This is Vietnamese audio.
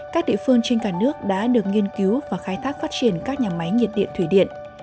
các địa phương trên cả nước đã được nghiên cứu và khai thác phát triển các nhà máy nhiệt điện thủy điện